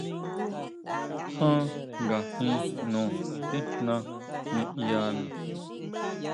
Ján ngajin jno tijna niʼyana.